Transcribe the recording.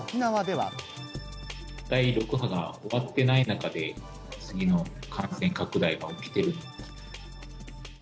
第６波が終わってない中で、次の感染拡大が起きている。